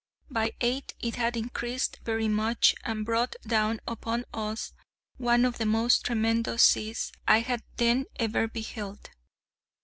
By eight it had increased very much, and brought down upon us one of the most tremendous seas I had then ever beheld.